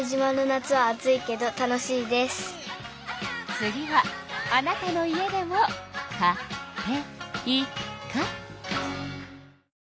次はあなたの家でも「カテイカ」。